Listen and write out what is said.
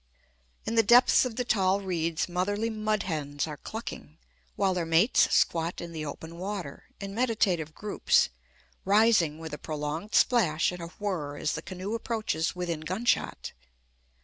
In the depths of the tall reeds motherly mud hens are clucking, while their mates squat in the open water, in meditative groups, rising with a prolonged splash and a whirr as the canoe approaches within gunshot.